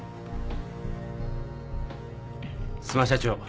須磨社長。